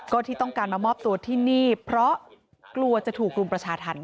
ก็ที่ต้องการมามอบตัวที่นี่เพราะกลัวจะถูกรุมประชาธรรม